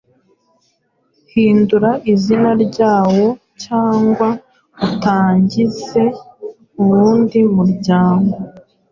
hindura izina ryawo cyangwa utangize uwundi muryango